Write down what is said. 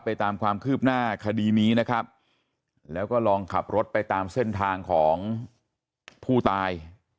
ตามความคืบหน้าคดีนี้นะครับแล้วก็ลองขับรถไปตามเส้นทางของผู้ตาย